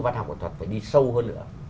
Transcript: văn hóa quản thuật phải đi sâu hơn nữa